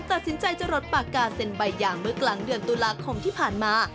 ตัดสินใจจะหลดปากกาเซ็นใบยางเมื่อกลางเดือนตุลาคมที่ผ่านมา